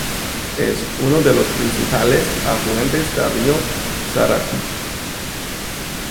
Es uno de los principales afluentes del río Sarapiquí.